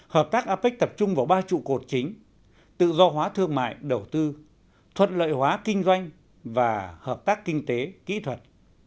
hợp tác apec tập trung vào ba trụ cột chính tự do hóa thương mại đầu tư thuận lợi hóa kinh doanh và hợp tác kinh tế kỹ thuật